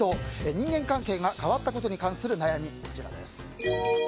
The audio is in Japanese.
人間関係が変わったことに関する悩み、こちらです。